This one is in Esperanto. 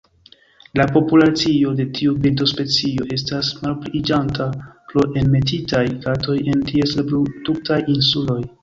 La populacio de tiu birdospecio estas malpliiĝanta pro enmetitaj katoj en ties reproduktaj insuloj.